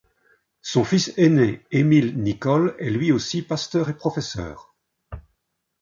Son fils aîné Émile Nicole est lui aussi pasteur et professeur.